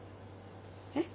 えっ？